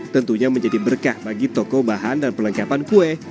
tentunya menjadi berkah bagi toko bahan dan perlengkapan kue